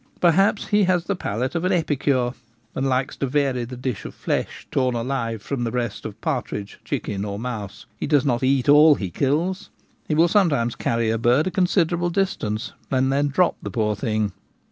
Perhaps he has the palate of an epicure, and likes to vary the dish of flesh torn alive from the breast of partridge, chicken, or mouse. He does not eat all he kills ; he will some times carry a bird a considerable distance and then drop the poor thing.